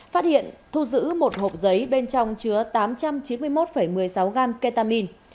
phát hiện thu giữ một hộp giấy bên trong chứa tám trăm chín mươi một một mươi sáu gram ketamine